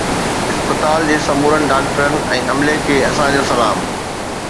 اسپتال جي سمورن ڊاڪٽرن ۽ عملي کي اسانجو سلام